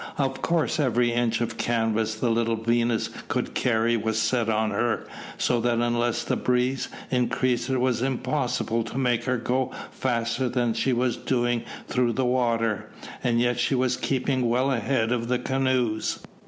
Of course every inch of canvas the little Venus could carry was set on her, so that unless the breeze, increased it was impossible to make her go faster than she was doing through the water. As yet she was keeping well ahead of the canoes.